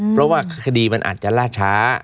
เพราะว่าคดีมันอาจจะล่าช้า